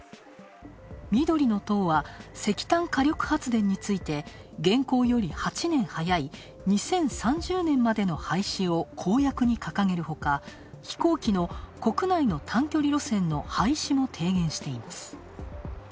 緑の党は石炭・火力発電について現行より８年早い、２０３０年までの廃止を公約に掲げるほか、飛行機の国内の短距離路線の廃止も提言しています。